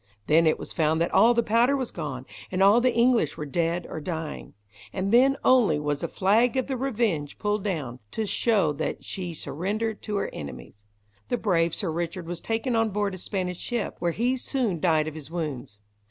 Then it was found that all the powder was gone, and all the English were dead or dying. And then only was the flag of the Revenge pulled down, to show that she surrendered to her enemies. The brave Sir Richard was taken on board a Spanish ship, where he soon died of his wounds.